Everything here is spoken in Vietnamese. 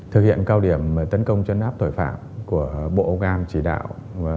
thực hiện cao điểm tấn công chấn áp tội phạm của bộ ông an chỉ đạo